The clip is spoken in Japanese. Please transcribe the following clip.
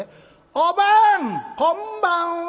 おばんこんばんは！」。